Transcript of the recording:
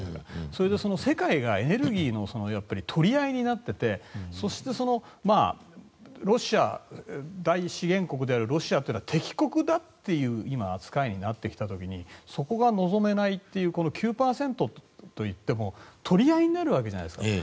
それで世界がエネルギーの取り合いになっていてそして、大資源国であるロシアというのは敵国だという扱いになってきた時にそこが望めないという９％といっても取り合いになるわけじゃないですか。